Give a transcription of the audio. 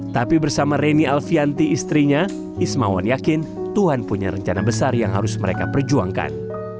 tapi bersama reni alfianti istrinya ismawan yakin tuhan punya rencana besar yang harus mereka perjuangkan